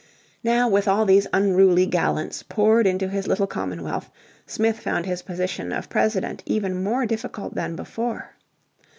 Now with all these "unruly gallants" poured into his little commonwealth Smith found his position of President even more difficult than before.